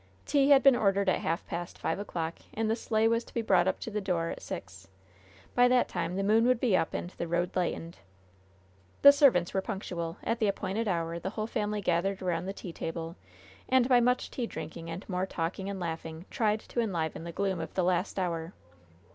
Tea had been ordered at half past five o'clock, and the sleigh was to be brought to the door at six. By that time the moon would be up and the road lightened. The servants were punctual. At the appointed hour the whole family gathered around the tea table, and by much tea drinking and more talking and laughing, tried to enliven the gloom of the last hour.